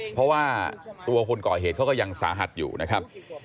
เพราะว่าตัวคนก่อเหตุเขาก็ยังสาหัสอยู่นะครับ